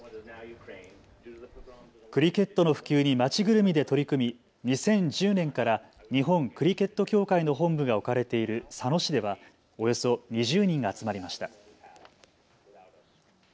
クリケットの普及に町ぐるみで取り組み２０１０年から日本クリケット協会の本部が置かれている佐野市ではおよそ２０人が集まりました。